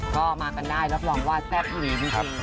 ก็มากันได้รับรองว่าแซ่บจริงจริงครับ